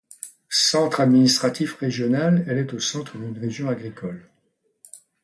Centre administratif régional, elle est au centre d'une région agricole.